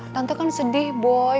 tante kan sedih boy